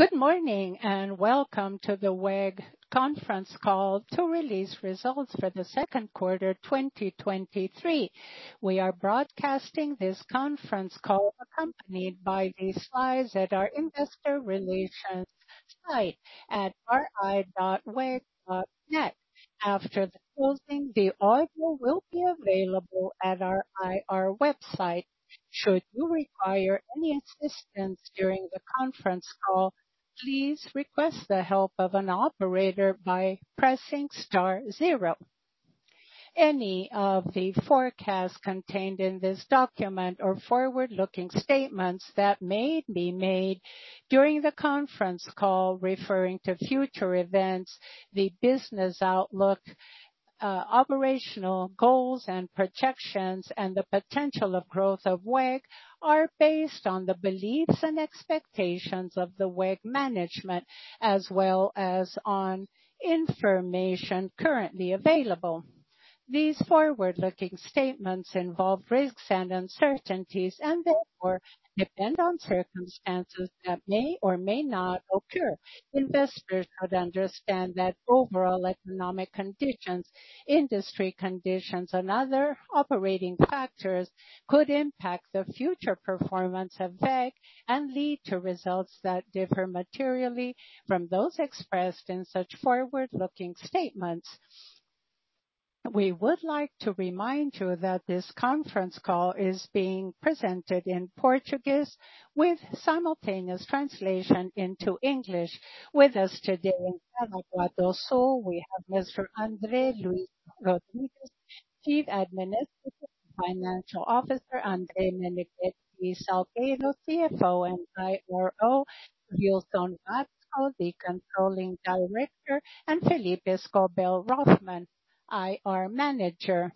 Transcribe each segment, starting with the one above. Good morning. Welcome to the WEG conference call to release results for the second quarter, 2023. We are broadcasting this conference call accompanied by the slides at our investor relations site at ri.weg.net. After the closing, the audio will be available at our IR website. Should you require any assistance during the conference call, please request the help of an operator by pressing star 0. Any of the forecasts contained in this document or forward-looking statements that may be made during the conference call, referring to future events, the business outlook, operational goals and projections, and the potential of growth of WEG, are based on the beliefs and expectations of the WEG management, as well as on information currently available. These forward-looking statements involve risks and uncertainties and therefore depend on circumstances that may or may not occur. Investors should understand that overall economic conditions, industry conditions, and other operating factors could impact the future performance of WEG and lead to results that differ materially from those expressed in such forward-looking statements. We would like to remind you that this conference call is being presented in Portuguese with simultaneous translation into English. With us today in Jaraguá do Sul, we have Mr. André Luís Rodrigues, Chief Administrative and Financial Officer, André Menegueti Salgueiro, CFO and IRO, Wilson Watzko, the Controlling Director, and Felipe Scopel Hoffmann, IR Manager.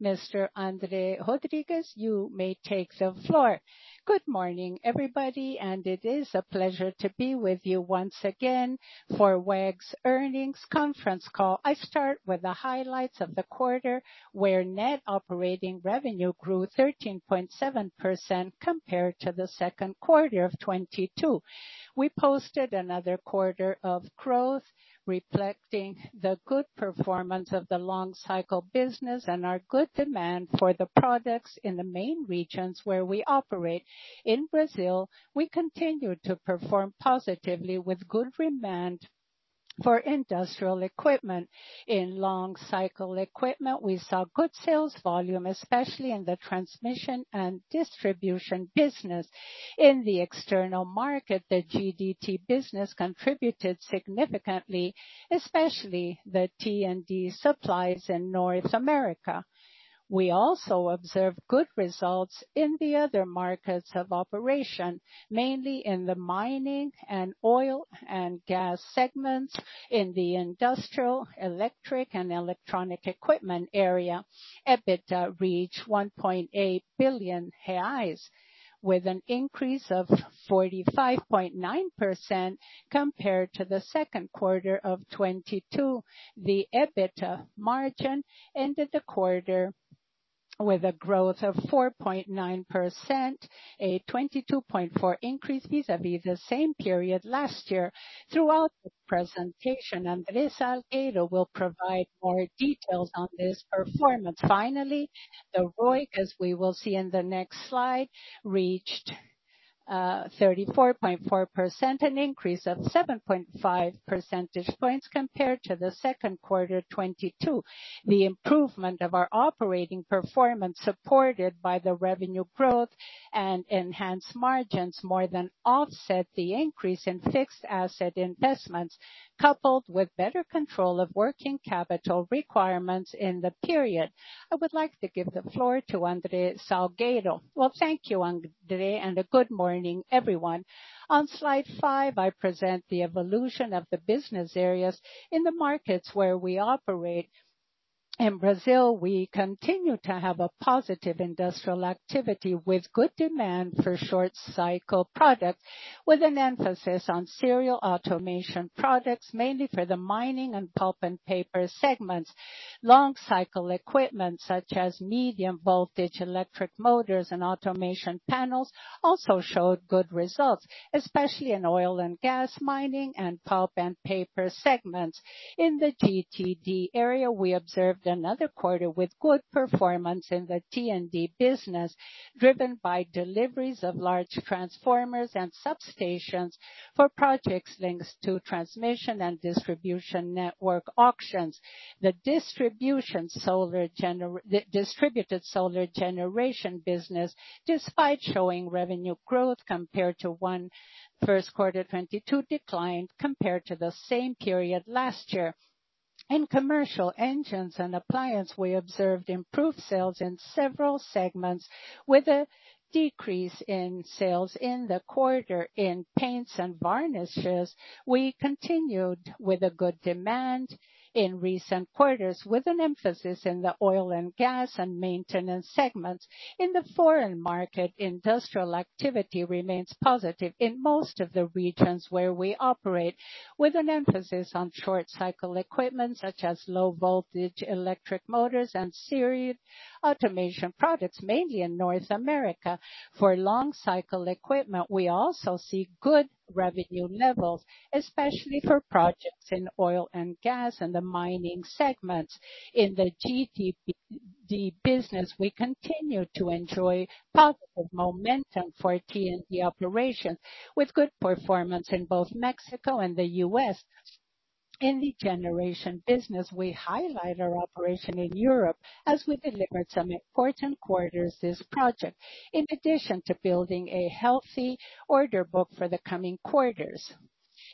Mr. André Rodrigues, you may take the floor. Good morning, everybody, it is a pleasure to be with you once again for WEG's earnings conference call. I start with the highlights of the quarter, where net operating revenue grew 13.7% compared to the second quarter of 2022. We posted another quarter of growth, reflecting the good performance of the long cycle business and our good demand for the products in the main regions where we operate. In Brazil, we continued to perform positively with good demand for industrial equipment. In long cycle equipment, we saw good sales volume, especially in the transmission and distribution business. In the external market, the GTD business contributed significantly, especially the T&D supplies in North America. We also observed good results in the other markets of operation, mainly in the mining and oil and gas segments. In the industrial, electric, and electronic equipment area, EBITDA reached 1.8 billion reais, with an increase of 45.9% compared to the 2Q of 2022. The EBITDA margin ended the quarter with a growth of 4.9%, a 22.4% increase vis-à-vis the same period last year. Throughout the presentation, André Salgueiro will provide more details on this performance. The ROIC, as we will see in the next slide, reached 34.4%, an increase of 7.5 percentage points compared to the second quarter 2022. The improvement of our operating performance, supported by the revenue growth and enhanced margins, more than offset the increase in fixed asset investments, coupled with better control of working capital requirements in the period. I would like to give the floor to André Salgueiro. Well, thank you, André, and good morning, everyone. On slide 5, I present the evolution of the business areas in the markets where we operate. In Brazil, we continue to have a positive industrial activity with good demand for short cycle products, with an emphasis on serial automation products, mainly for the mining and pulp and paper segments. Long cycle equipment, such as medium voltage, electric motors, and automation panels, also showed good results, especially in oil and gas, mining, and pulp and paper segments. In the GTD area, we observed another quarter with good performance in the T&D business, driven by deliveries of large transformers and substations for projects linked to transmission and distribution network auctions. The distributed solar generation business, despite showing revenue growth compared to 1st quarter 2022, declined compared to the same period last year. In commercial engines and appliance, we observed improved sales in several segments, with a decrease in sales in the quarter. In paints and varnishes, we continued with a good demand in recent quarters, with an emphasis in the oil and gas and maintenance segments. In the foreign market, industrial activity remains positive in most of the regions where we operate, with an emphasis on short cycle equipment, such as low voltage, electric motors, and serial automation products, mainly in North America. For long cycle equipment, we also see good revenue levels, especially for projects in oil and gas and the mining segments. In the GTD business, we continue to enjoy positive momentum for T&D operation, with good performance in both Mexico and the U.S....In the generation business, we highlight our operation in Europe, as we delivered some important quarters this project, in addition to building a healthy order book for the coming quarters.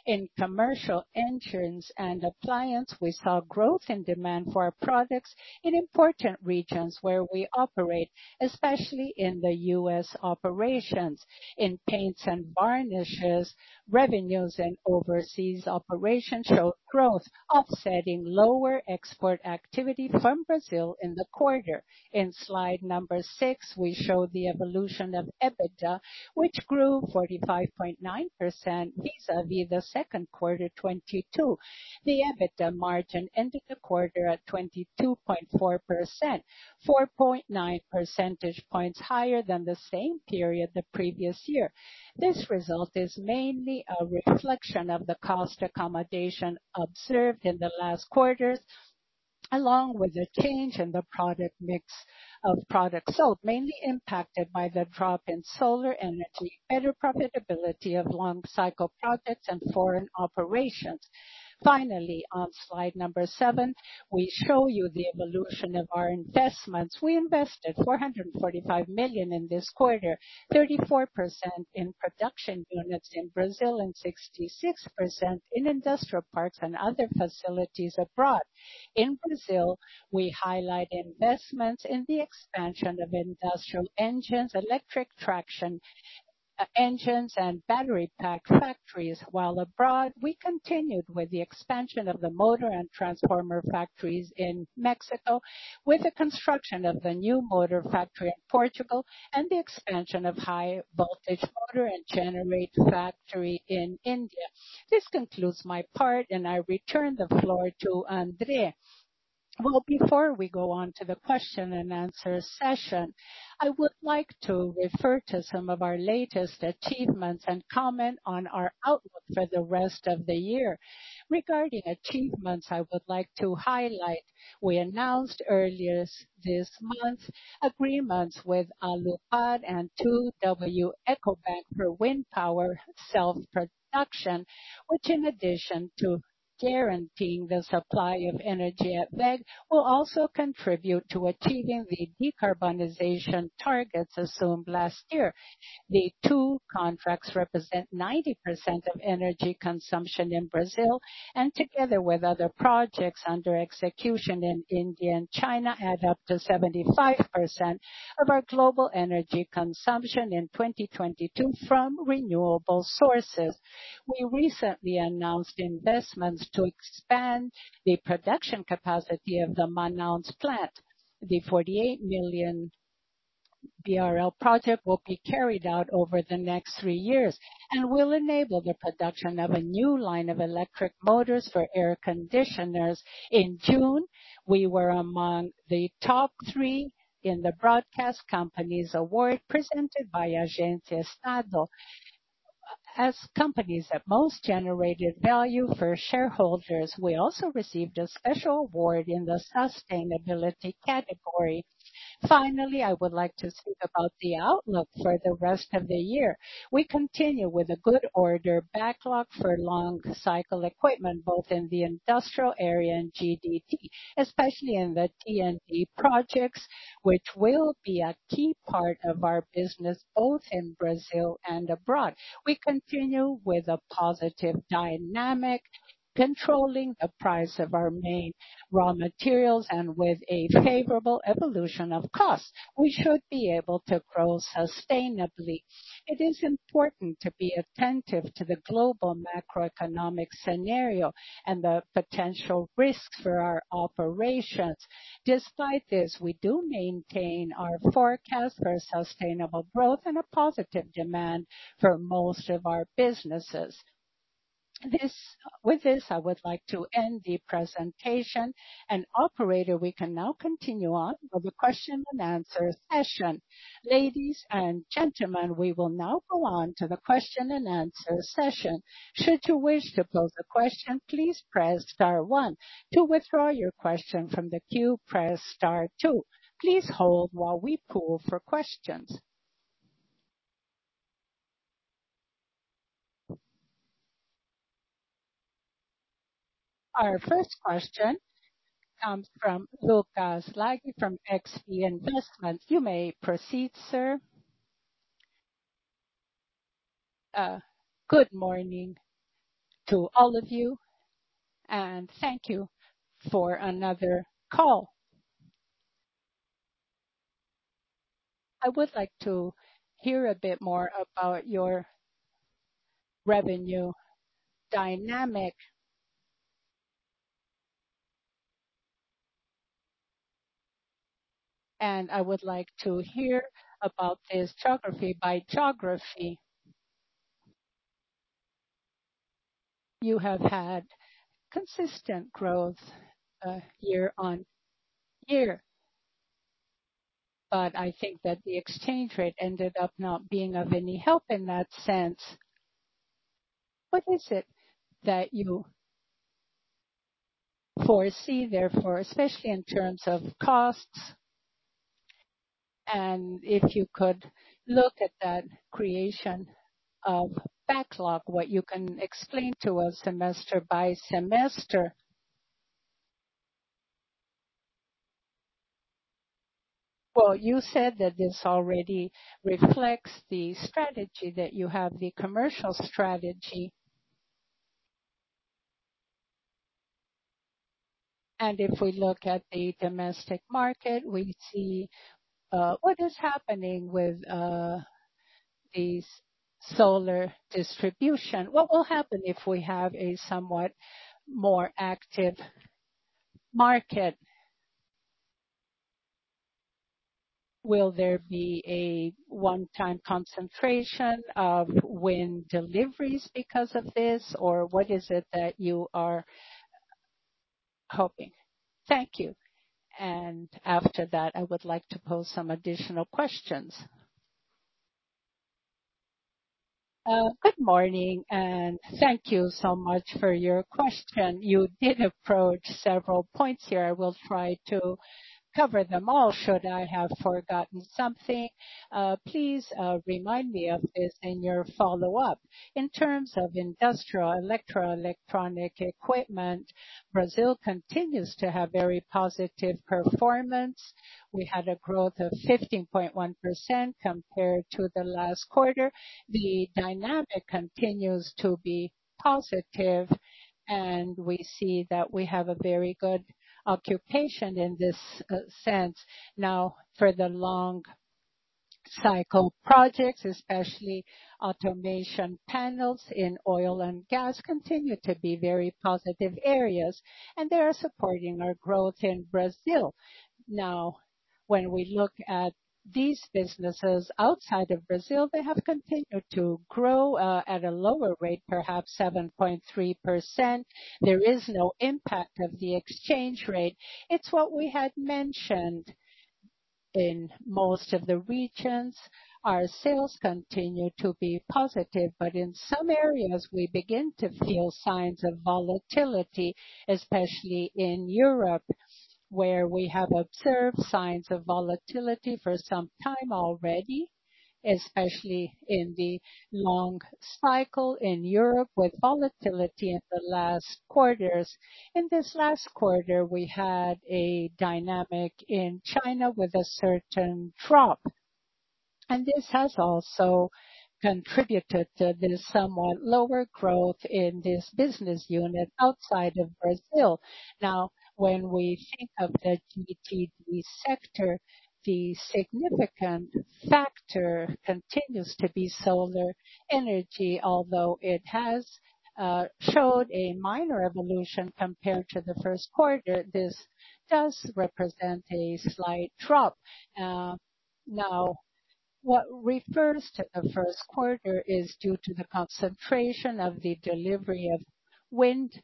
In Commercial, engines and Appliance, we saw growth in demand for our products in important regions where we operate, especially in the U.S. operations. In paints and varnishes, revenues and overseas operations showed growth, offsetting lower export activity from Brazil in the quarter. In slide number 6, we show the evolution of EBITDA, which grew 45.9% vis-a-vis the second quarter 2022. The EBITDA margin ended the quarter at 22.4%, 4.9 percentage points higher than the same period the previous year. This result is mainly a reflection of the cost accommodation observed in the last quarters, along with a change in the product mix of products sold, mainly impacted by the drop in solar energy, better profitability of long cycle projects and foreign operations. Finally, on slide number seven, we show you the evolution of our investments. We invested 445 million in this quarter, 34% in production units in Brazil, and 66% in industrial parks and other facilities abroad. In Brazil, we highlight investments in the expansion of industrial engines, electric traction, engines and battery pack factories. While abroad, we continued with the expansion of the motor and transformer factories in Mexico, with the construction of the new motor factory in Portugal, and the expansion of high voltage motor and generate factory in India. This concludes my part, and I return the floor to André. Well, before we go on to the question and answer session, I would like to refer to some of our latest achievements and comment on our outlook for the rest of the year. Regarding achievements I would like to highlight, we announced earlier this month, agreements with Alupar and 2W Ecobank for wind power self-production, which in addition to guaranteeing the supply of energy at WEG, will also contribute to achieving the decarbonization targets assumed last year. The two contracts represent 90% of energy consumption in Brazil, and together with other projects under execution in India and China, add up to 75% of our global energy consumption in 2022 from renewable sources. We recently announced investments to expand the production capacity of the Manaus plant. The 48 million BRL project will be carried out over the next three years, and will enable the production of a new line of electric motors for air conditioners. In June, we were among the top three in the Broadcast Companies Award, presented by Agência Estado. As companies that most generated value for shareholders, we also received a special award in the sustainability category. Finally, I would like to speak about the outlook for the rest of the year. We continue with a good order backlog for long cycle equipment, both in the industrial area and GTD, especially in the T&D projects, which will be a key part of our business, both in Brazil and abroad. We continue with a positive dynamic, controlling the price of our main raw materials and with a favorable evolution of cost. We should be able to grow sustainably. It is important to be attentive to the global macroeconomic scenario and the potential risks for our operations. Despite this, we do maintain our forecast for sustainable growth and a positive demand for most of our businesses. With this, I would like to end the presentation. Operator, we can now continue on with the question and answer session. Ladies and gentlemen, we will now go on to the question and answer session. Should you wish to pose a question, please press star one. To withdraw your question from the queue, press star two. Please hold while we poll for questions. Our first question comes from Lucas Laghi, from XP Investimentos. You may proceed, sir. Good morning to all of you, and thank you for another call. I would like to hear a bit more about your revenue dynamic. I would like to hear about this geography. By geography, you have had consistent growth, year-over-year, but I think that the exchange rate ended up not being of any help in that sense. What is it that you foresee therefore, especially in terms of costs? If you could look at that creation of backlog, what you can explain to us semester by semester? Well, you said that this already reflects the strategy, that you have the commercial strategy. If we look at the domestic market, we see what is happening with these solar distribution. What will happen if we have a somewhat more active market? Will there be a one-time concentration of wind deliveries because of this, or what is it that you are hoping? Thank you. After that, I would like to pose some additional questions. Good morning, and thank you so much for your question. You did approach several points here. I will try to cover them all. Should I have forgotten something, please remind me of this in your follow-up. In terms of industrial electro electronic equipment, Brazil continues to have very positive performance. We had a growth of 15.1% compared to the last quarter. The dynamic continues to be positive, and we see that we have a very good occupation in this sense. For the long cycle projects, especially automation panels in oil and gas, continue to be very positive areas, and they are supporting our growth in Brazil. When we look at these businesses outside of Brazil, they have continued to grow at a lower rate, perhaps 7.3%. There is no impact of the exchange rate. It's what we had mentioned. In most of the regions, our sales continue to be positive, but in some areas we begin to feel signs of volatility, especially in Europe, where we have observed signs of volatility for some time already, especially in the long cycle in Europe, with volatility in the last quarters. In this last quarter, we had a dynamic in China with a certain drop, and this has also contributed to this somewhat lower growth in this business unit outside of Brazil. When we think of the GTD sector, the significant factor continues to be solar energy, although it has showed a minor evolution compared to the first quarter, this does represent a slight drop. What refers to the first quarter is due to the concentration of the delivery of wind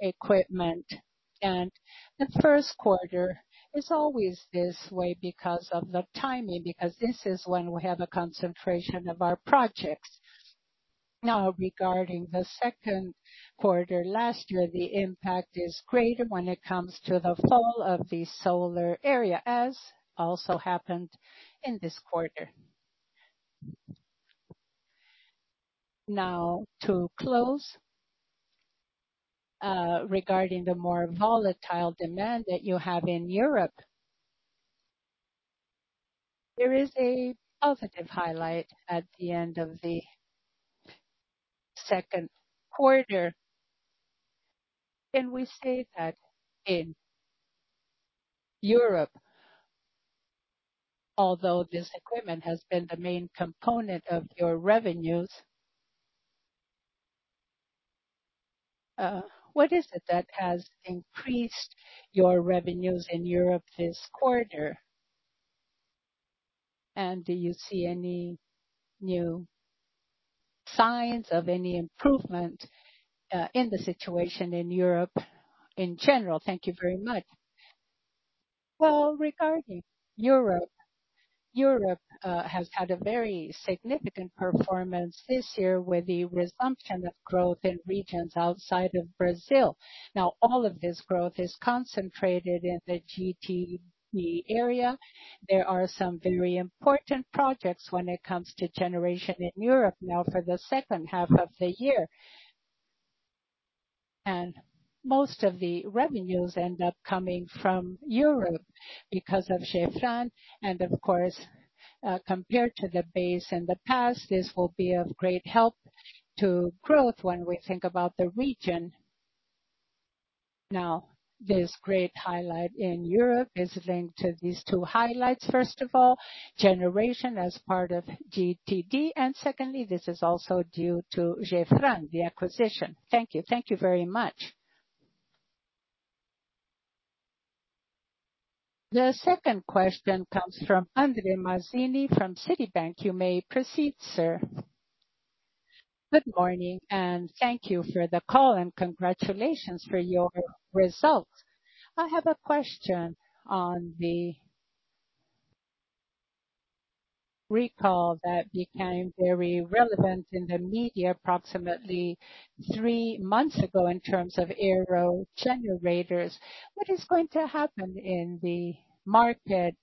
equipment, and the first quarter is always this way because of the timing, because this is when we have a concentration of our projects. Regarding the second quarter, last year, the impact is greater when it comes to the fall of the solar area, as also happened in this quarter. To close, regarding the more volatile demand that you have in Europe, there is a positive highlight at the end of the second quarter. Can we say that in Europe, although this equipment has been the main component of your revenues, what is it that has increased your revenues in Europe this quarter? Do you see any new signs of any improvement in the situation in Europe in general? Thank you very much. Well, regarding Europe has had a very significant performance this year with the resumption of growth in regions outside of Brazil. All of this growth is concentrated in the GTD area. There are some very important projects when it comes to generation in Europe now for the second half of the year. Most of the revenues end up coming from Europe because of Gefran and of course, compared to the base in the past, this will be of great help to growth when we think about the region. This great highlight in Europe is linked to these two highlights. First of all, generation as part of GTD, and secondly, this is also due to Gefran, the acquisition. Thank you. Thank you very much. The second question comes from Andre Mazini, from Citi. You may proceed, sir. Good morning, thank you for the call, and congratulations for your results. I have a question on the recall that became very relevant in the media approximately three months ago in terms of aero generators. What is going to happen in the market?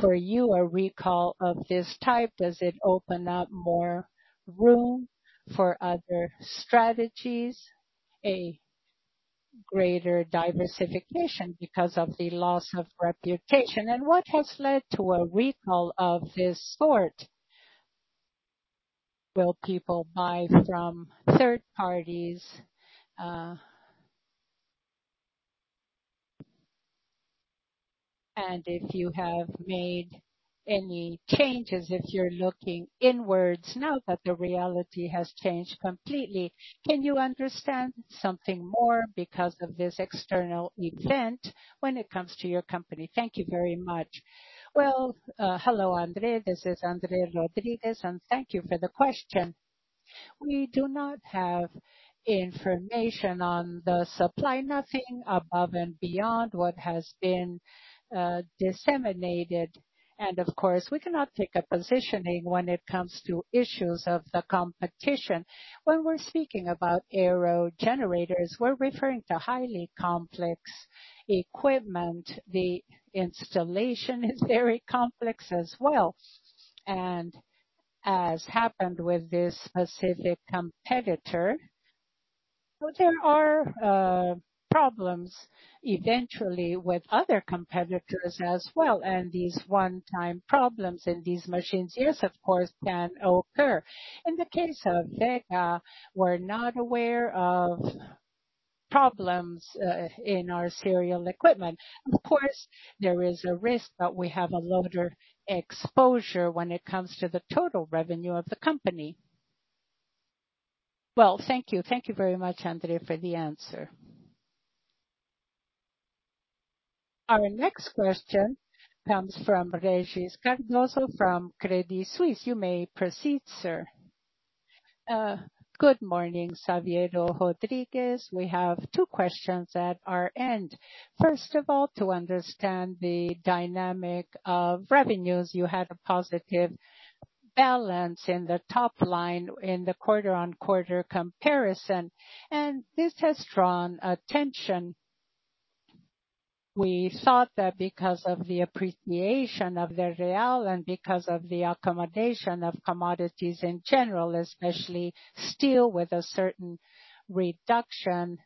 For you, a recall of this type, does it open up more room for other strategies, a greater diversification because of the loss of reputation? What has led to a recall of this sort? Will people buy from third parties? If you have made any changes, if you're looking inwards now that the reality has changed completely, can you understand something more because of this external event when it comes to your company? Thank you very much. Well, hello, Andre. This is André Rodrigues, and thank you for the question. We do not have information on the supply, nothing above and beyond what has been disseminated. Of course, we cannot take a positioning when it comes to issues of the competition. When we're speaking about aero generators, we're referring to highly complex equipment. The installation is very complex as well, and as happened with this specific competitor, well, there are problems eventually with other competitors as well, and these one-time problems in these machines, yes, of course, can occur. In the case of WEG, we're not aware of problems in our serial equipment. Of course, there is a risk, but we have a lower exposure when it comes to the total revenue of the company. Thank you. Thank you very much, André, for the answer. Our next question comes from Regis Cardoso from Credit Suisse. You may proceed, sir. Good morning, Salgueiro Rodrigues. We have two questions at our end. First of all, to understand the dynamic of revenues, you had a positive balance in the top line in the quarter-on-quarter comparison. This has drawn attention. We thought that because of the appreciation of the BRL and because of the accommodation of commodities in general, especially steel, with a certain reduction,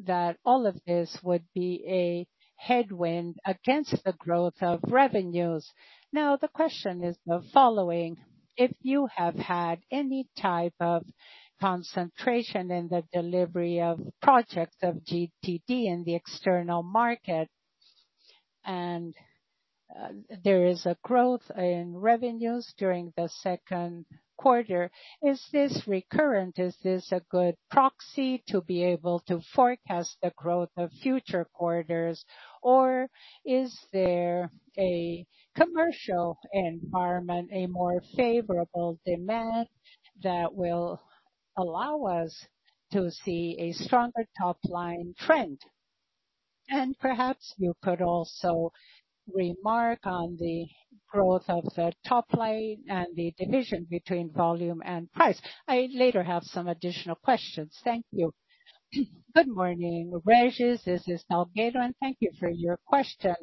that all of this would be a headwind against the growth of revenues. Now, the question is the following: If you have had any type of concentration in the delivery of projects of GTD in the external market, and there is a growth in revenues during the second quarter, is this recurrent? Is this a good proxy to be able to forecast the growth of future quarters, or is there a commercial environment, a more favorable demand, that will allow us to see a stronger top-line trend? Perhaps you could also remark on the growth of the top line and the division between volume and price. I later have some additional questions. Thank you. Good morning, Regis. This is Salgueiro, and thank you for your question.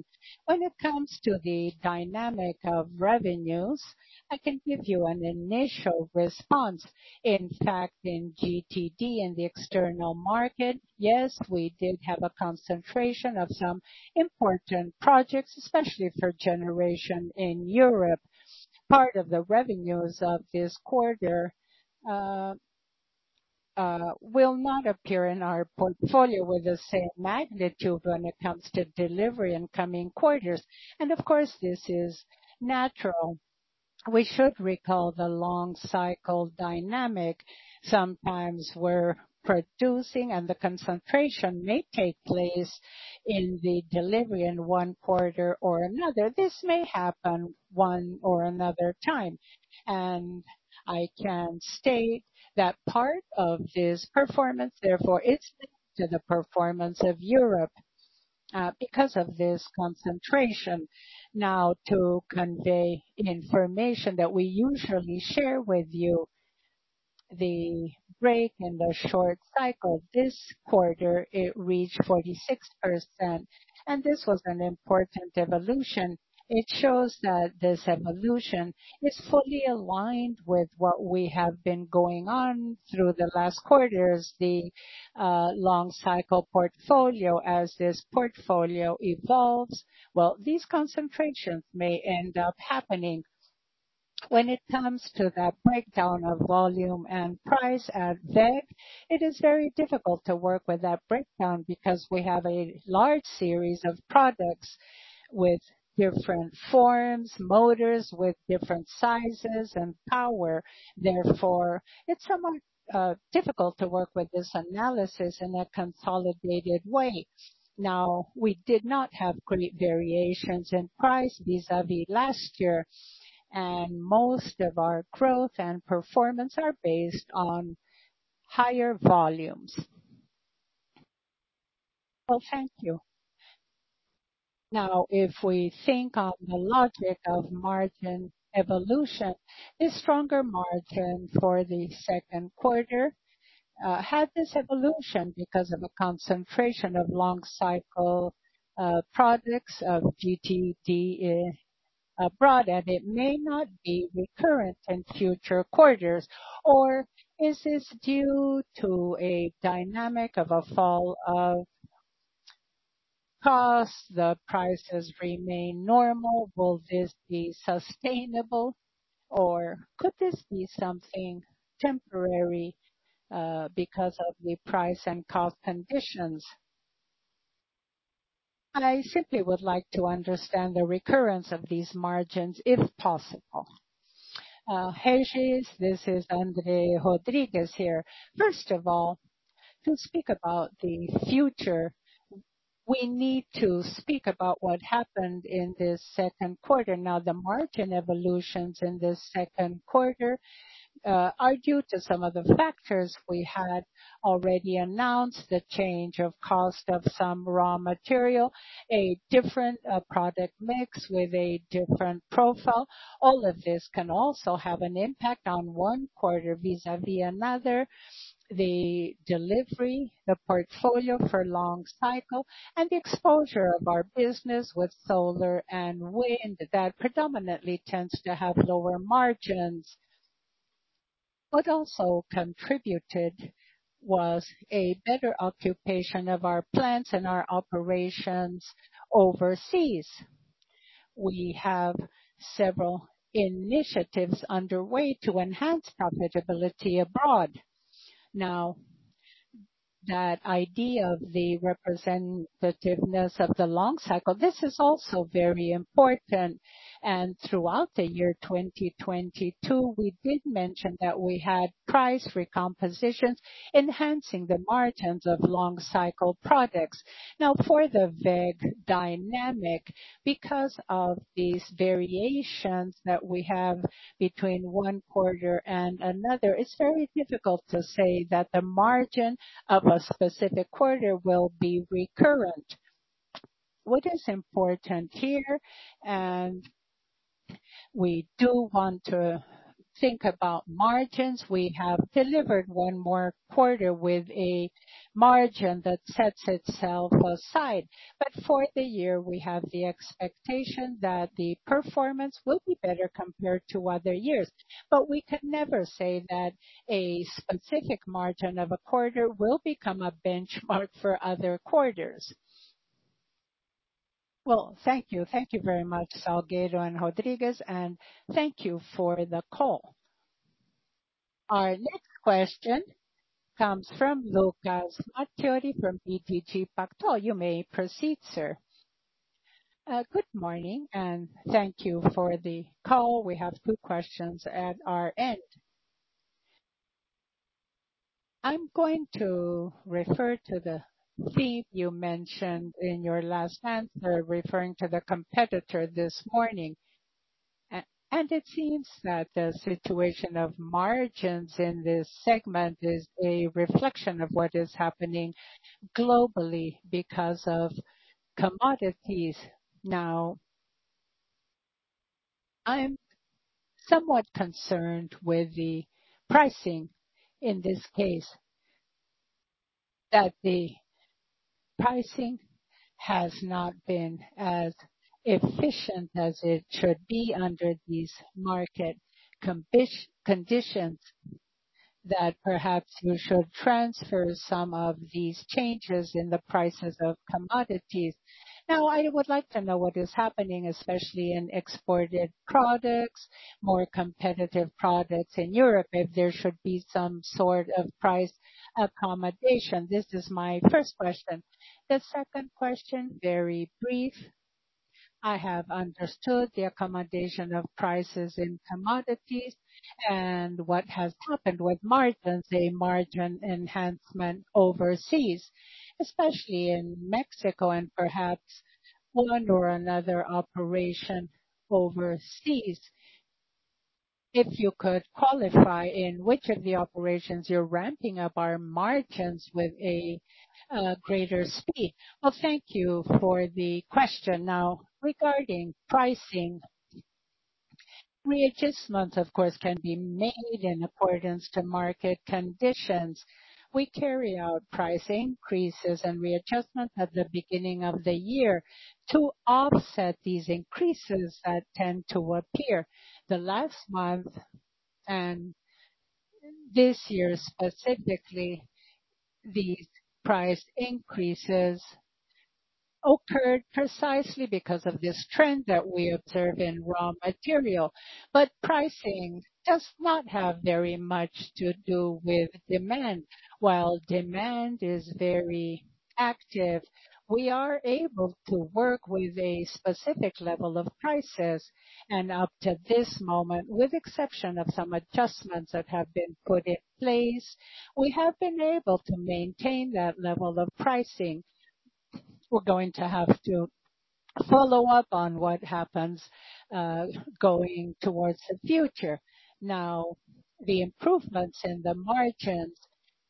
When it comes to the dynamic of revenues, I can give you an initial response. In GTD, in the external market, yes, we did have a concentration of some important projects, especially for generation in Europe. Part of the revenues of this quarter will not appear in our portfolio with the same magnitude when it comes to delivery in coming quarters, of course, this is natural. We should recall the long cycle dynamic. Sometimes we're producing, the concentration may take place in the delivery in one quarter or another. This may happen one or another time, I can state that part of this performance, therefore, is to the performance of Europe because of this concentration. To convey information that we usually share with you, the break in the short cycle, this quarter, it reached 46%, this was an important evolution. It shows that this evolution is fully aligned with what we have been going on through the last quarters, the long cycle portfolio. As this portfolio evolves, well, these concentrations may end up happening. When it comes to the breakdown of volume and price at WEG, it is very difficult to work with that breakdown because we have a large series of products with different forms, motors with different sizes and power. Therefore, it's somewhat difficult to work with this analysis in a consolidated way. We did not have variations in price vis-a-vis last year, and most of our growth and performance are based on higher volumes. Well, thank you. If we think of the logic of margin evolution, the stronger margin for the second quarter, had this evolution because of a concentration of long cycle, products of GTD, abroad, and it may not be recurrent in future quarters, or is this due to a dynamic of a fall of costs? The prices remain normal. Will this be sustainable, or could this be something temporary, because of the price and cost conditions? I simply would like to understand the recurrence of these margins, if possible. Regis, this is André Rodrigues here. First of all, to speak about the future, we need to speak about what happened in this second quarter. The margin evolutions in this second quarter, are due to some of the factors we had already announced. The change of cost of some raw material, a different product mix with a different profile. All of this can also have an impact on one quarter vis-a-vis another. The delivery, the portfolio for long cycle and the exposure of our business with solar and wind, that predominantly tends to have lower margins, but also contributed, was a better occupation of our plants and our operations overseas. We have several initiatives underway to enhance profitability abroad. That idea of the representativeness of the long cycle, this is also very important, and throughout the year 2022, we did mention that we had price recompositions, enhancing the margins of long cycle products. For the WEG dynamic, because of these variations that we have between one quarter and another, it's very difficult to say that the margin of a specific quarter will be recurrent. What is important here, and we do want to think about margins. We have delivered one more quarter with a margin that sets itself aside. For the year, we have the expectation that the performance will be better compared to other years. We could never say that a specific margin of a quarter will become a benchmark for other quarters. Well, thank you. Thank you very much, Salgueiro and Rodrigues, and thank you for the call. Our next question comes from Lucas Marquiori, from BTG Pactual. You may proceed, sir. Good morning, and thank you for the call. We have two questions at our end. I'm going to refer to the theme you mentioned in your last answer, referring to the competitor this morning. It seems that the situation of margins in this segment is a reflection of what is happening globally because of commodities. I'm somewhat concerned with the pricing in this case, that the pricing has not been as efficient as it should be under these market conditions, that perhaps you should transfer some of these changes in the prices of commodities. I would like to know what is happening, especially in exported products, more competitive products in Europe, if there should be some sort of price accommodation. This is my first question. The second question, very brief. I have understood the accommodation of prices in commodities and what has happened with margins, a margin enhancement overseas, especially in Mexico and perhaps one or another operation overseas. If you could qualify, in which of the operations you're ramping up our margins with a greater speed? Well, thank you for the question. Regarding pricing, readjustment, of course, can be made in accordance to market conditions. We carry out price increases and readjustment at the beginning of the year to offset these increases that tend to appear. The last month, and this year specifically, the price increases occurred precisely because of this trend that we observe in raw material. Pricing does not have very much to do with demand. While demand is very active, we are able to work with a specific level of prices, and up to this moment, with exception of some adjustments that have been put in place, we have been able to maintain that level of pricing. We're going to have to follow up on what happens going towards the future. The improvements in the margins,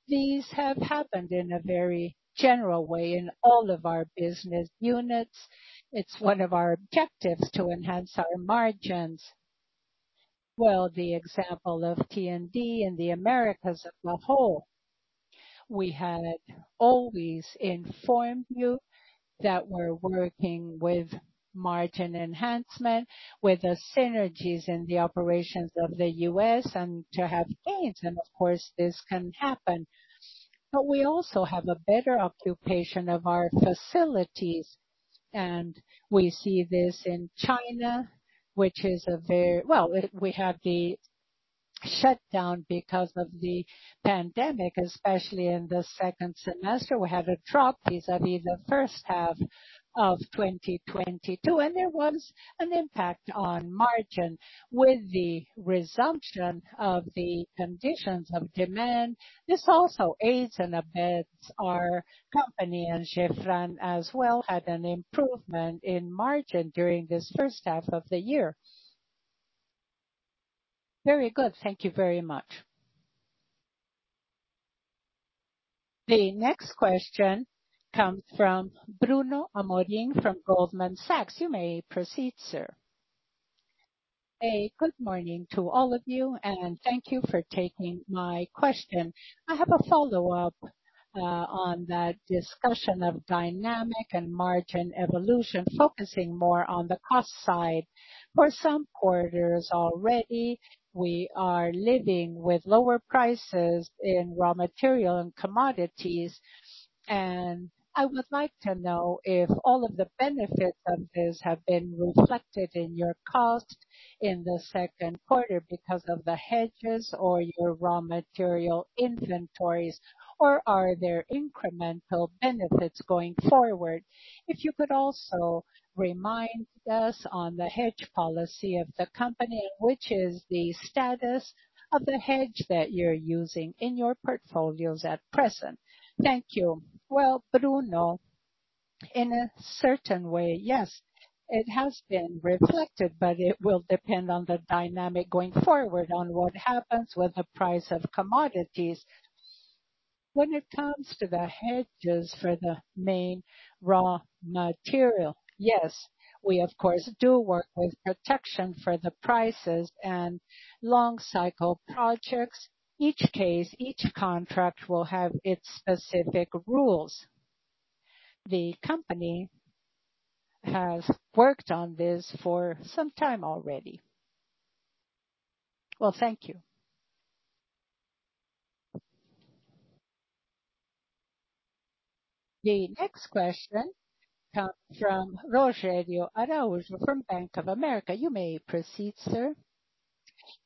these have happened in a very general way in all of our business units. It's one of our objectives to enhance our margins. Well, the example of P&D in the Americas as a whole, we had always informed you that we're working with margin enhancement, with the synergies in the operations of the US, and to have gains, and of course, this can happen. We also have a better occupation of our facilities, and we see this in China, which is well, we had the shutdown because of the pandemic, especially in the second semester. We had a drop, vis-a-vis the first half of 2022, there was an impact on margin. With the resumption of the conditions of demand, this also aids and abets our company, Gefran as well, had an improvement in margin during this first half of the year. Very good. Thank you very much. The next question comes from Bruno Amorim from Goldman Sachs. You may proceed, sir. Good morning to all of you, thank you for taking my question. I have a follow-up on that discussion of dynamic and margin evolution, focusing more on the cost side. For some quarters already, we are living with lower prices in raw material and commodities, I would like to know if all of the benefits of this have been reflected in your cost in the second quarter because of the hedges or your raw material inventories, or are there incremental benefits going forward? If you could also remind us on the hedge policy of the company, which is the status of the hedge that you're using in your portfolios at present. Thank you. Well, Bruno, in a certain way, yes, it has been reflected, it will depend on the dynamic going forward on what happens with the price of commodities. When it comes to the hedges for the main raw material, yes, we of course, do work with protection for the prices and long cycle projects. Each case, each contract will have its specific rules. The company has worked on this for some time already. Well, thank you. The next question comes from Rogerio Araujo from Bank of America. You may proceed, sir.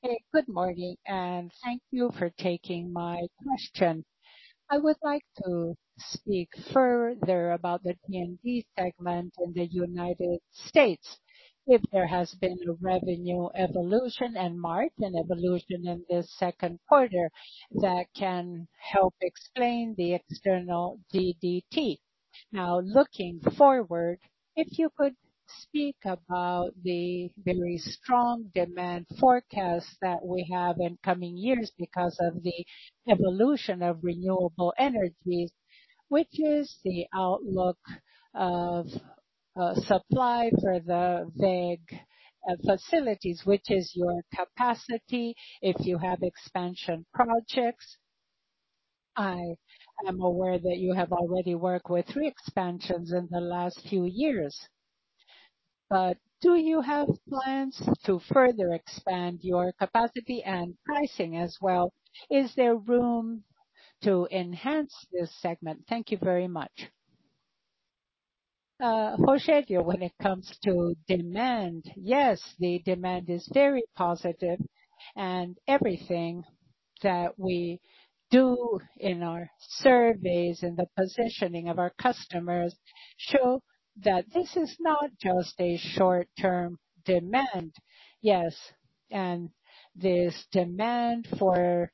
Hey, good morning, and thank you for taking my question. I would like to speak further about the P&D segment in the United States, if there has been a revenue evolution and margin evolution in this second quarter that can help explain the external GTD. Looking forward, if you could speak about the very strong demand forecast that we have in coming years because of the evolution of renewable energy, which is the outlook of supply for the big facilities, which is your capacity, if you have expansion projects. I am aware that you have already worked with three expansions in the last few years, but do you have plans to further expand your capacity and pricing as well? Is there room to enhance this segment? Thank you very much. Rogerio, when it comes to demand, yes, the demand is very positive, and everything that we do in our surveys and the positioning of our customers show that this is not just a short-term demand. Yes, this demand for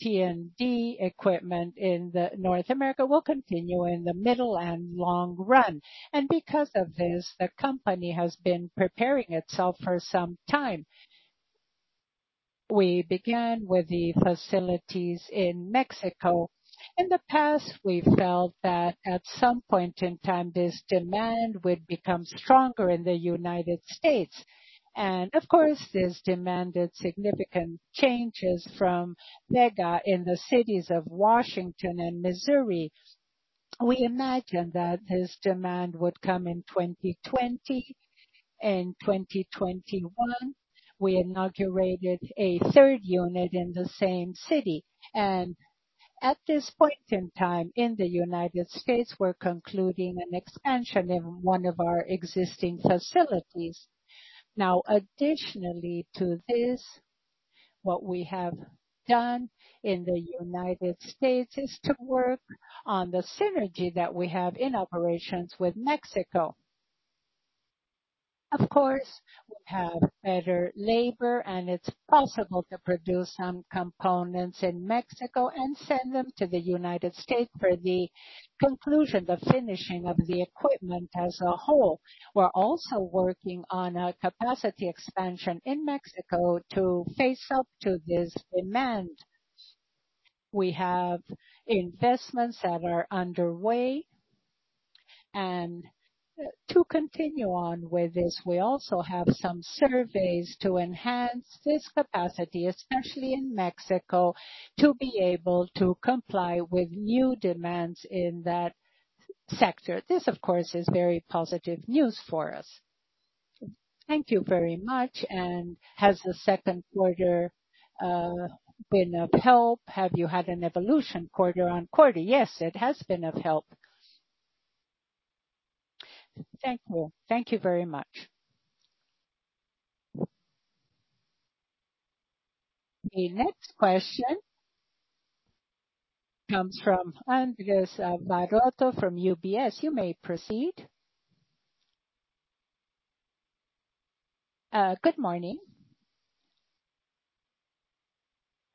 P&D equipment in the North America will continue in the middle and long run, and because of this, the company has been preparing itself for some time. We began with the facilities in Mexico. In the past, we felt that at some point in time, this demand would become stronger in the United States, and of course, this demanded significant changes from MEGA in the cities of Washington, D.C. and Missouri. We imagined that this demand would come in 2020. In 2021, we inaugurated a third unit in the same city, and at this point in time, in the United States, we're concluding an expansion in one of our existing facilities. Additionally to this, what we have done in the United States is to work on the synergy that we have in operations with Mexico. Of course, we have better labor, and it's possible to produce some components in Mexico and send them to the United States for the conclusion, the finishing of the equipment as a whole. We're also working on a capacity expansion in Mexico to face up to this demand. We have investments that are underway, and to continue on with this, we also have some surveys to enhance this capacity, especially in Mexico, to be able to comply with new demands in that sector. This, of course, is very positive news for us. Thank you very much. Has the second quarter been of help? Have you had an evolution quarter on quarter? Yes, it has been of help. Thank you. Thank you very much. The next question comes from Andressa Varotto from UBS. You may proceed. Good morning.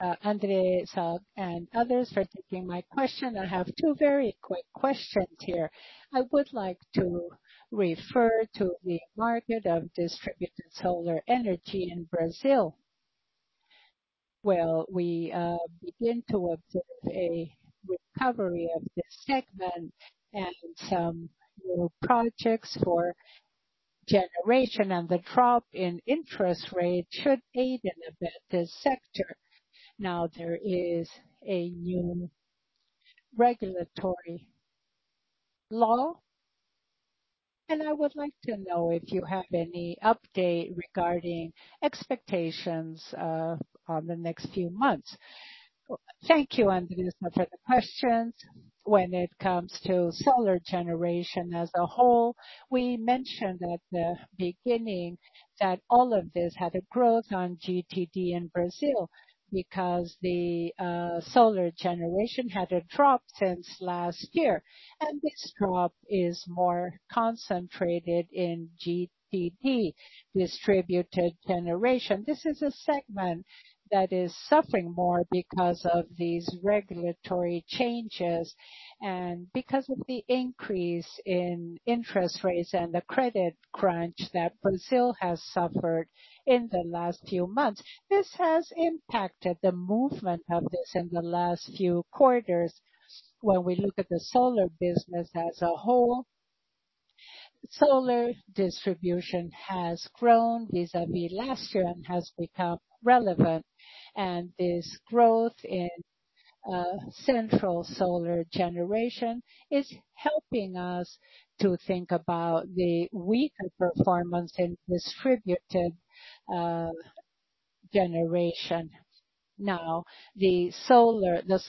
Andressa and others, for taking my question. I have two very quick questions here. We begin to observe a recovery of this segment and some new projects for generation, and the drop in interest rate should aid in a bit this sector. There is a new regulatory law, and I would like to know if you have any update regarding expectations on the next few months. Thank you, Andressa, much for the questions. When it comes to solar generation as a whole, we mentioned at the beginning that all of this had a growth on GTD in Brazil because the solar generation had a drop since last year. This drop is more concentrated in GTD, distributed generation. This is a segment that is suffering more because of these regulatory changes and because of the increase in interest rates and the credit crunch that Brazil has suffered in the last few months. This has impacted the movement of this in the last few quarters. When we look at the solar business as a whole, solar distribution has grown vis-a-vis last year and has become relevant. This growth in central solar generation is helping us to think about the weaker performance in distributed generation. The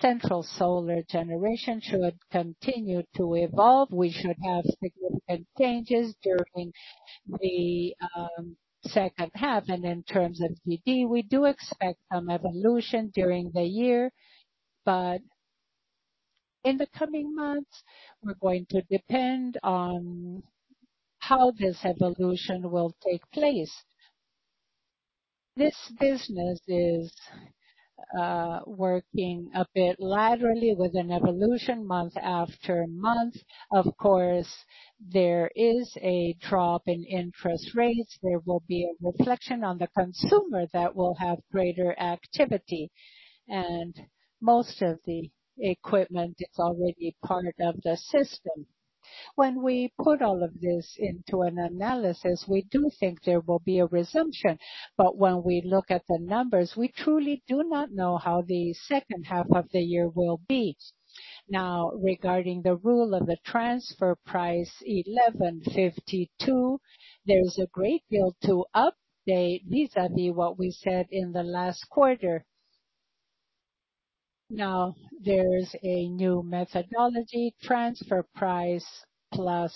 central solar generation should continue to evolve. We should have significant changes during the second half. In terms of GD, we do expect some evolution during the year, but in the coming months, we're going to depend on how this evolution will take place. This business is working a bit laterally with an evolution month after month. Of course, there is a drop in interest rates. There will be a reflection on the consumer that will have greater activity. Most of the equipment is already part of the system. When we put all of this into an analysis, we do think there will be a resumption, but when we look at the numbers, we truly do not know how the second half of the year will be. Regarding the rule of the transfer price 1,152, there's a great deal to update vis-a-vis what we said in the last quarter. There is a new methodology, transfer price, plus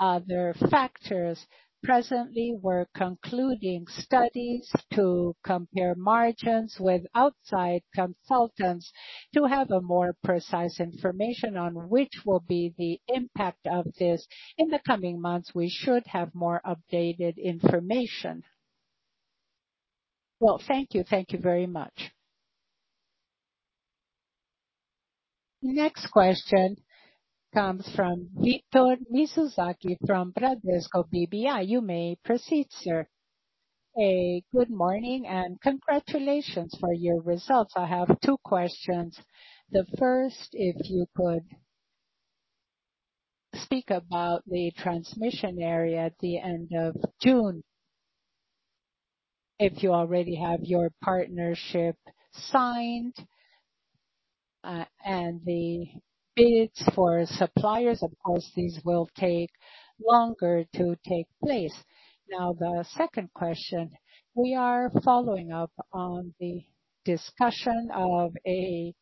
other factors. Presently, we're concluding studies to compare margins with outside consultants to have a more precise information on which will be the impact of this. In the coming months, we should have more updated information. Well, thank you. Thank you very much. Next question comes from Victor Mizusaki, from Bradesco BBI. You may proceed, sir. Hey, good morning, and congratulations for your results. I have two questions. The first, if you could speak about the transmission area at the end of June, if you already have your partnership signed, and the bids for suppliers, of course, these will take longer to take place. The second question, we are following up on the discussion of a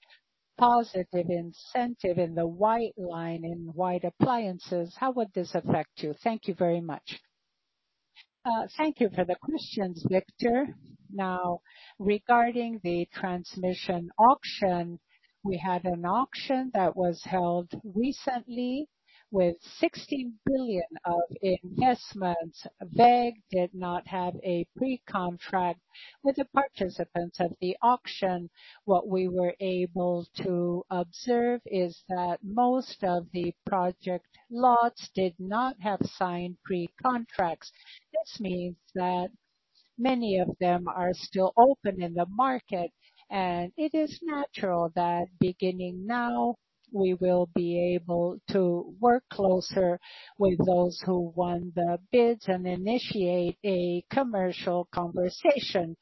positive incentive in the white line in white appliances. How would this affect you? Thank you very much. Thank you for the questions, Victor. Regarding the transmission auction, we had an auction that was held recently with 16 billion of investments. WEG did not have a pre-contract with the participants at the auction. What we were able to observe is that most of the project lots did not have signed pre-contracts. This means that many of them are still open in the market, and it is natural that beginning now, we will be able to work closer with those who won the bids and initiate a commercial conversation.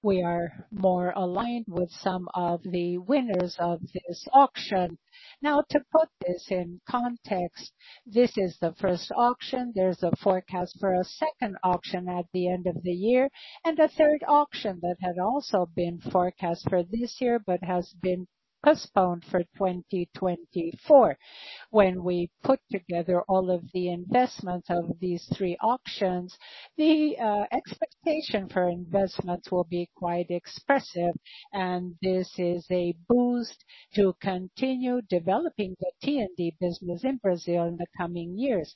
We are more aligned with some of the winners of this auction. To put this in context, this is the first auction. There's a forecast for a second auction at the end of the year, and a third auction that had also been forecast for this year, but has been postponed for 2024. When we put together all of the investments of these three auctions, the expectation for investments will be quite expressive, this is a boost to continue developing the T&D business in Brazil in the coming years.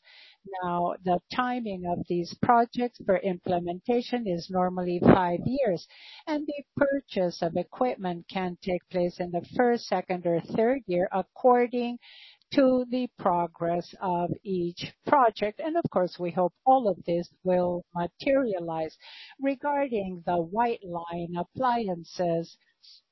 Now, the timing of these projects for implementation is normally five years, the purchase of equipment can take place in the first, second, or third year, according to the progress of each project. Of course, we hope all of this will materialize. Regarding the white line appliances,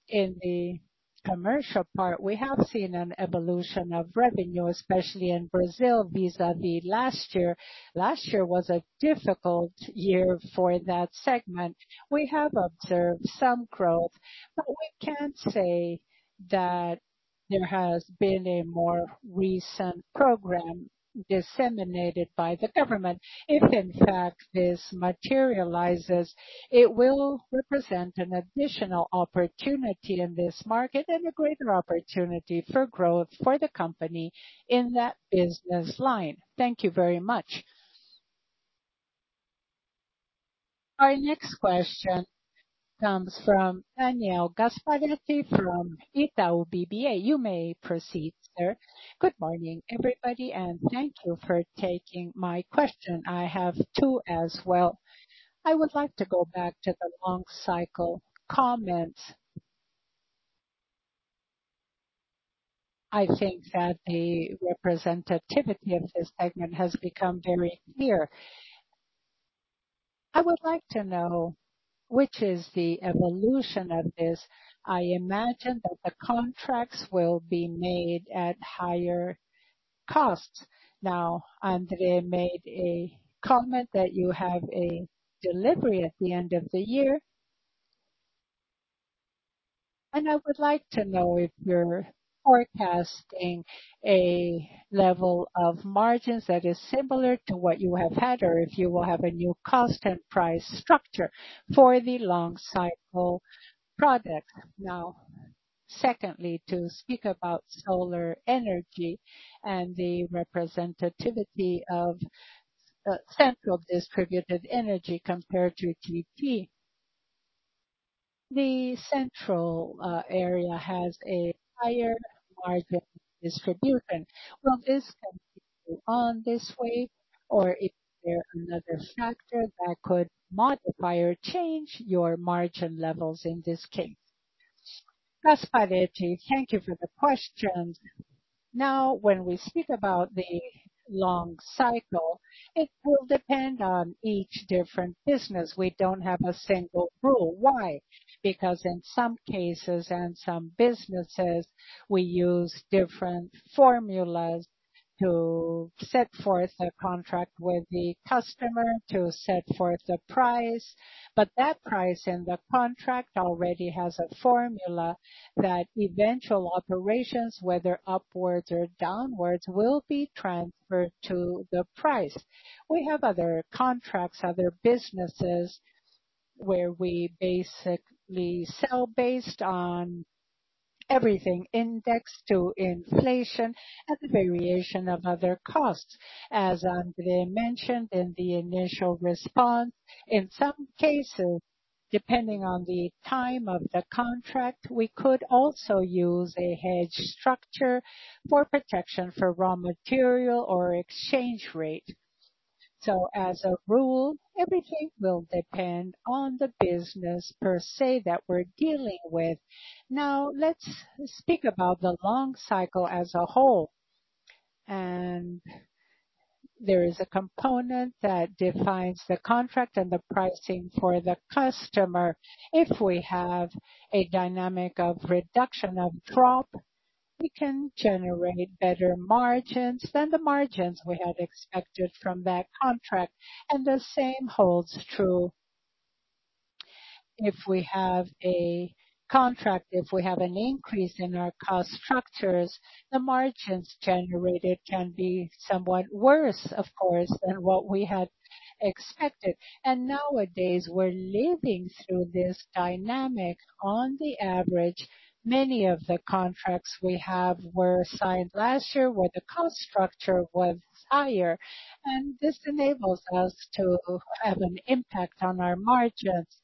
in the commercial part, we have seen an evolution of revenue, especially in Brazil, vis-à-vis last year. Last year was a difficult year for that segment. We have observed some growth, but we can't say that there has been a more recent program disseminated by the government. If, in fact, this materializes, it will represent an additional opportunity in this market and a greater opportunity for growth for the company in that business line. Thank you very much. Our next question comes from Daniel Gasparete from Itaú BBA. You may proceed, sir. Good morning, everybody, and thank you for taking my question. I have two as well. I would like to go back to the long cycle comment. I think that the representativity of this segment has become very clear. I would like to know, which is the evolution of this? I imagine that the contracts will be made at higher costs. Now, André made a comment that you have a delivery at the end of the year. I would like to know if you're forecasting a level of margins that is similar to what you have had, or if you will have a new cost and price structure for the long cycle product. Secondly, to speak about solar energy and the representativity of central distributed energy compared to TP. The central area has a higher margin distribution. Will this continue on this way, or is there another factor that could modify or change your margin levels in this case? Gasparete, thank you for the question. When we speak about the long cycle, it will depend on each different business. We don't have a single rule. Why? Because in some cases and some businesses, we use different formulas to set forth a contract with the customer, to set forth the price. That price in the contract already has a formula that eventual operations, whether upwards or downwards, will be transferred to the price. We have other contracts, other businesses, where we basically sell based on everything indexed to inflation and the variation of other costs. As André mentioned in the initial response, in some cases, depending on the time of the contract, we could also use a hedge structure for protection for raw material or exchange rate. As a rule, everything will depend on the business per se, that we're dealing with. Now, let's speak about the long cycle as a whole, and there is a component that defines the contract and the pricing for the customer. If we have a dynamic of reduction of drop, we can generate better margins than the margins we had expected from that contract, and the same holds true. If we have a contract, if we have an increase in our cost structures, the margins generated can be somewhat worse, of course, than what we had expected. Nowadays, we're living through this dynamic. On the average, many of the contracts we have were signed last year, where the cost structure was higher, and this enables us to have an impact on our margins.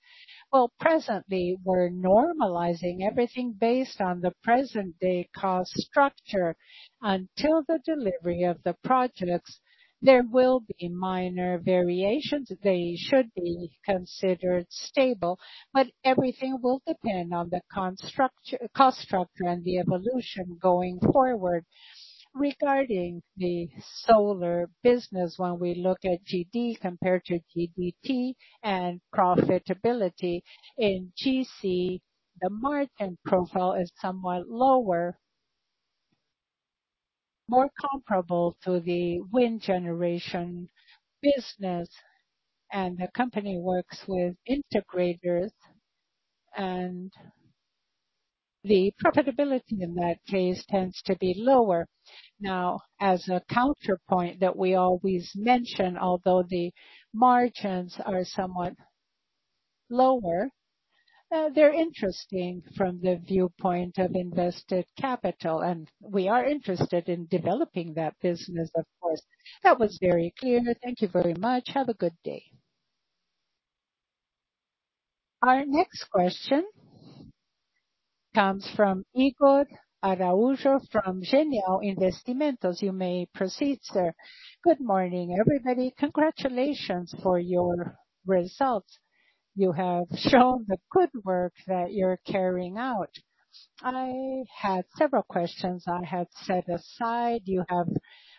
Presently, we're normalizing everything based on the present-day cost structure. Until the delivery of the projects, there will be minor variations. They should be considered stable, but everything will depend on the cost structure and the evolution going forward. Regarding the solar business, when we look at GD compared to GDP and profitability, in GC, the margin profile is somewhat lower, more comparable to the wind generation business, and the company works with integrators, and the profitability in that case tends to be lower. As a counterpoint that we always mention, although the margins are somewhat lower, they're interesting from the viewpoint of invested capital, and we are interested in developing that business, of course. That was very clear. Thank you very much. Have a good day. Our next question comes from Igor Araujo, from Genial Investimentos. You may proceed, sir. Good morning, everybody. Congratulations for your results. You have shown the good work that you're carrying out. I had several questions I had set aside. You have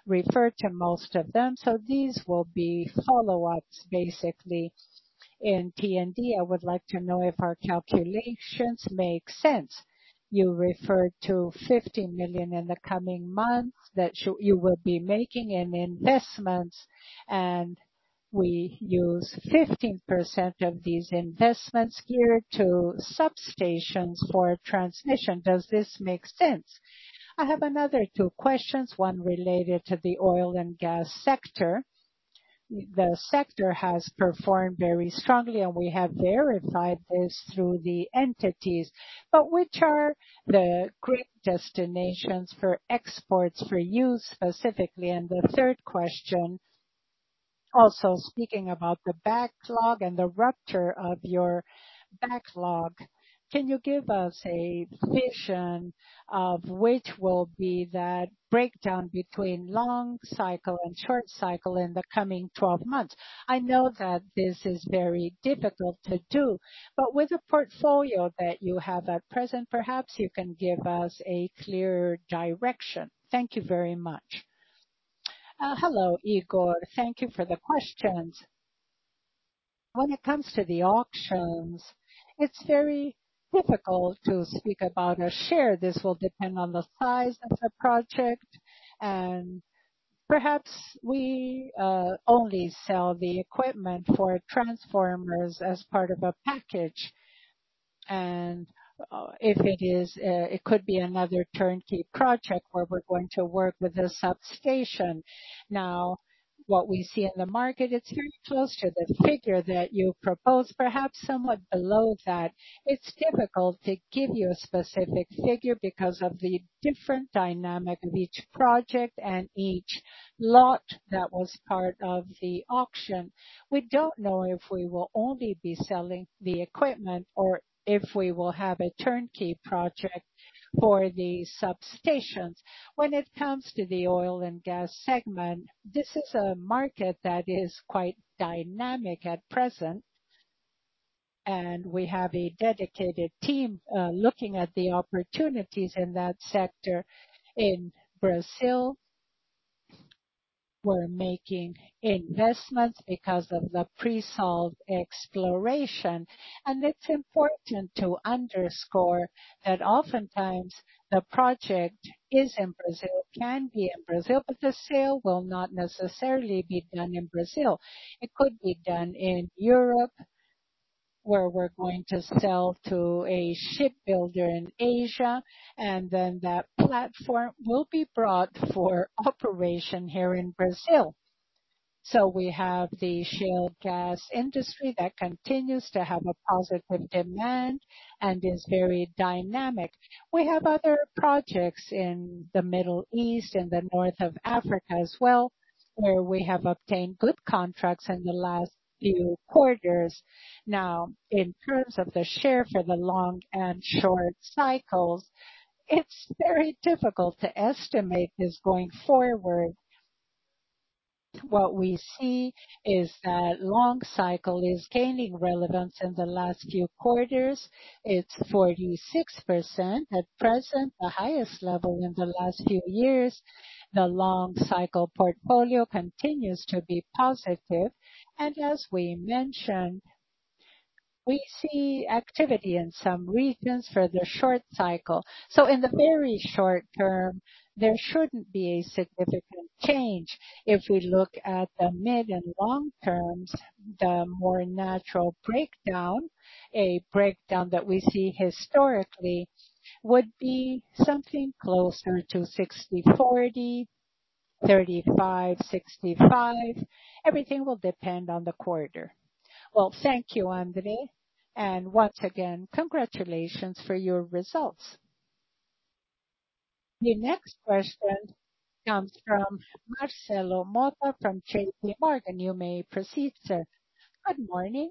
referred to most of them, these will be follow-ups, basically. In P&D, I would like to know if our calculations make sense. You referred to 50 million in the coming months, you will be making in investments, we use 15% of these investments here to substations for transmission. Does this make sense? I have another two questions, one related to the oil and gas sector. The sector has performed very strongly, we have verified this through the entities, which are the great destinations for exports, for you specifically? The third question, also speaking about the backlog and the rupture of your backlog, can you give us a vision of which will be that breakdown between long cycle and short cycle in the coming 12 months? I know that this is very difficult to do, with the portfolio that you have at present, perhaps you can give us a clear direction. Thank you very much. Hello, Ygor. Thank you for the questions. When it comes to the auctions, it's very difficult to speak about a share. This will depend on the size of the project, perhaps we only sell the equipment for transformers as part of a package. If it is, it could be another turnkey project where we're going to work with a substation. What we see in the market, it's very close to the figure that you propose, perhaps somewhat below that. It's difficult to give you a specific figure because of the different dynamic of each project and each lot that was part of the auction. We don't know if we will only be selling the equipment or if we will have a turnkey project for the substations. When it comes to the oil and gas segment, this is a market that is quite dynamic at present, and we have a dedicated team looking at the opportunities in that sector. In Brazil, we're making investments because of the pre-sal exploration. It's important to underscore that oftentimes, the project is in Brazil, can be in Brazil, but the sale will not necessarily be done in Brazil. It could be done in Europe, where we're going to sell to a shipbuilder in Asia, and then that platform will be brought for operation here in Brazil. We have the shale gas industry that continues to have a positive demand and is very dynamic. We have other projects in the Middle East and the north of Africa as well, where we have obtained good contracts in the last few quarters. Now, in terms of the share for the long and short cycles, it's very difficult to estimate this going forward. What we see is that long cycle is gaining relevance in the last few quarters. It's 46% at present, the highest level in the last few years. The long cycle portfolio continues to be positive. We see activity in some regions for the short cycle. In the very short term, there shouldn't be a significant change. If we look at the mid and long terms, the more natural breakdown, a breakdown that we see historically, would be something closer to 60/40, 35/65. Everything will depend on the quarter. Well, thank you, André, and once again, congratulations for your results. The next question comes from Marcelo Motta from JPMorgan. You may proceed, sir. Good morning.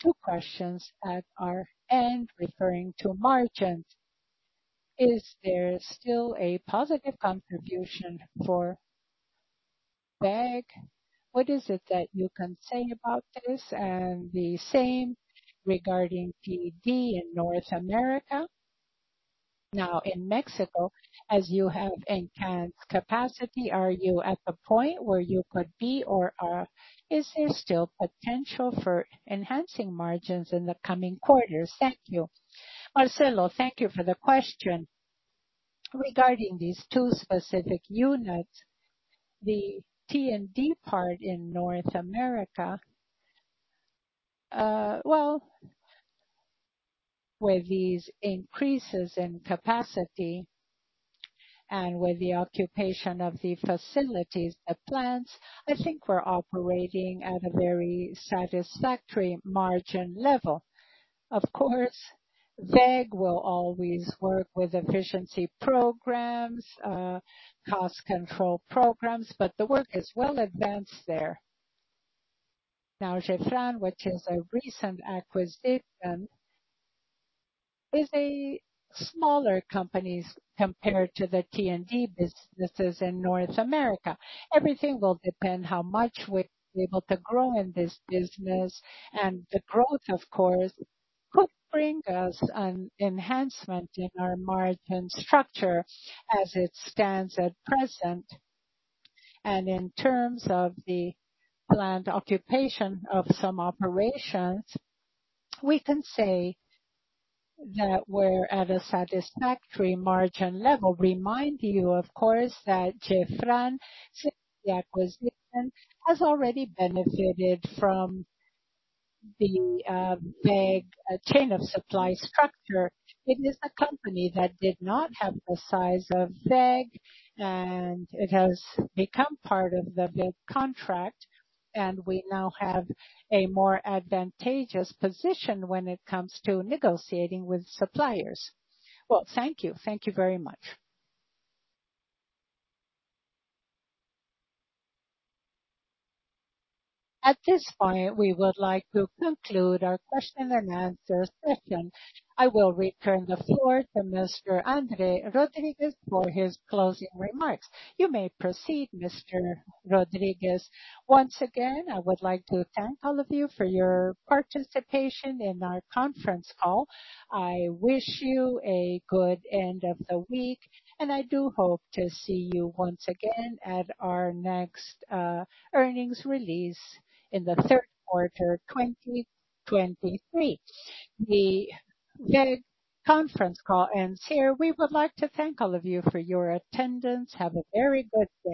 Two questions at our end, referring to margins. Is there still a positive contribution for WEG? What is it that you can say about this, and the same regarding P&D in North America? Now, in Mexico, as you have enhanced capacity, are you at the point where you could be or, is there still potential for enhancing margins in the coming quarters? Thank you. Marcelo, thank you for the question. Regarding these two specific units, the T&D part in North America, well, with these increases in capacity and with the occupation of the facilities, the plants, I think we're operating at a very satisfactory margin level. Of course, WEG will always work with efficiency programs, cost control programs, but the work is well advanced there. Now, Gefran, which is a recent acquisition, is a smaller companies compared to the T&D businesses in North America. Everything will depend how much we're able to grow in this business, and the growth, of course, could bring us an enhancement in our margin structure as it stands at present. In terms of the planned occupation of some operations, we can say that we're at a satisfactory margin level. Remind you, of course, that Gefran, since the acquisition, has already benefited from the WEG chain of supply structure. It is a company that did not have the size of WEG, and it has become part of the big contract, and we now have a more advantageous position when it comes to negotiating with suppliers. Well, thank you. Thank you very much. At this point, we would like to conclude our question and answer session. I will return the floor to Mr. André Rodrigues for his closing remarks. You may proceed, Mr. Rodrigues. Once again, I would like to thank all of you for your participation in our conference call. I wish you a good end of the week, and I do hope to see you once again at our next earnings release in the third quarter 2023. The WEG conference call ends here. We would like to thank all of you for your attendance. Have a very good day.